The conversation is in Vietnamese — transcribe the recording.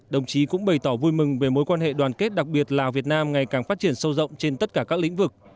đồng chí cũng bày tỏ vui mừng về mối quan hệ đoàn kết đặc biệt lào việt nam ngày càng phát triển sâu rộng trên tất cả các lĩnh vực